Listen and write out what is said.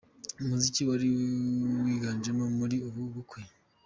Umuziki wari wiganje muri ubu bukwe.